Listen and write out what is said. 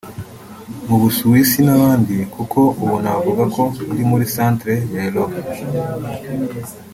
mu Busuwisi n’ahandi kuko ubu navuga ko ndi muri centre ya Europe